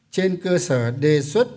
trên cơ sở đề xuất